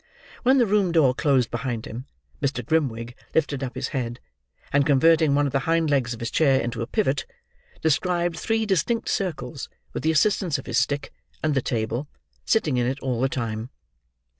When the room door closed behind him, Mr. Grimwig lifted up his head, and converting one of the hind legs of his chair into a pivot, described three distinct circles with the assistance of his stick and the table; sitting in it all the time.